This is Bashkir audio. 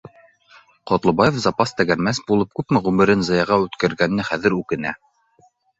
Ҡотлобаев запас тәгәрмәс булып күпме ғүмерен заяға үткәргәненә хәҙер үкенә